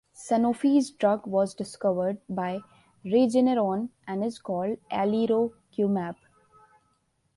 Sanofi's drug was discovered by Regeneron and is called alirocumab.